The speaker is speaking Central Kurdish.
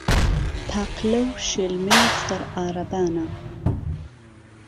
پاقلە و شێلمەی سەر عارەبانە